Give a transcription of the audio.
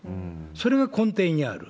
それが根底にある。